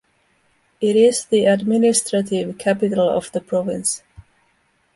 It is the administrative capital of the province.